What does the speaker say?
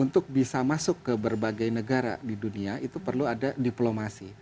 untuk bisa masuk ke berbagai negara di dunia itu perlu ada diplomasi